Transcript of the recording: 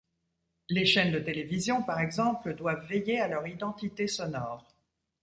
Les chaînes de télévision par exemple, doivent veiller à leur identité sonore.